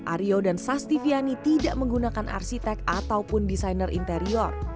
aryo dan sastiviani tidak menggunakan arsitek ataupun desainer interior